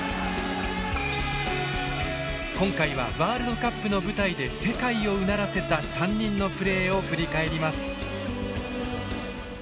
今回はワールドカップの舞台で世界をうならせた３人のプレーを振り返ります。